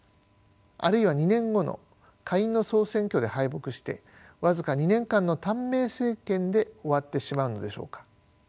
あるいは２年後の下院の総選挙で敗北して僅か２年間の短命政権で終わってしまうのでしょうか。